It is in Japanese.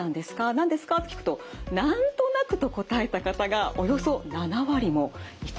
何ですか？と聞くと「なんとなく」と答えた方がおよそ７割もいたんです。